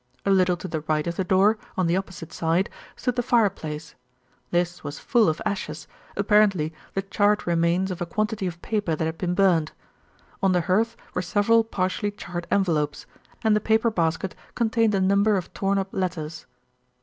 A little to the right of the door, on the opposite side, stood the fireplace. This was full of ashes, apparently the charred remains of a quantity of paper that had been burnt. On the hearth were several partially charred envelopes, and the paper basket contained a number of torn up letters.